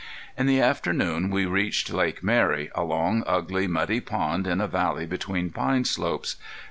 In the afternoon we reached Lake Mary, a long, ugly, muddy pond in a valley between pine slopes.